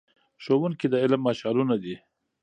ښوونکي د علم مشعلونه دي.